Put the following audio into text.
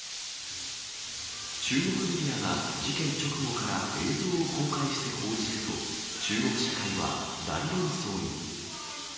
中国メディアが事件直後から映像を公開して報じると、中国社会は大論争に。